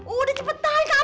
udah cepetan ke kamar